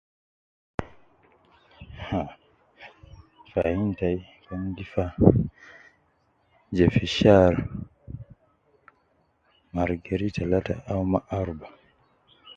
Haa, fi ayinu tayi kan gi faa je fi shahari, mara tinin, talata awu ma aruba.